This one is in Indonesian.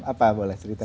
apa boleh cerita gak